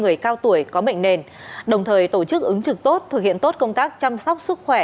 người cao tuổi có bệnh nền đồng thời tổ chức ứng trực tốt thực hiện tốt công tác chăm sóc sức khỏe